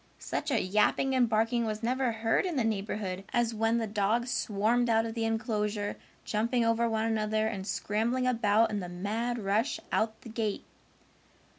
Such a yapping and barking was never heard in the neighborhood as when the dogs swarmed out of the enclosure, jumping over one another and scrambling about in the mad rush out the gate.